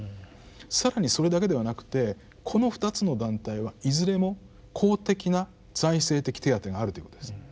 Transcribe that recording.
更にそれだけではなくてこの２つの団体はいずれも公的な財政的手当があるということです。